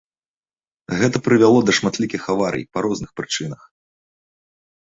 Гэта прывяло да шматлікіх аварый па розных прычынах.